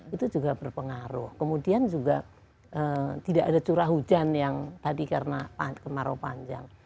itu juga berpengaruh kemudian juga tidak ada curah hujan yang tadi karena kemarau panjang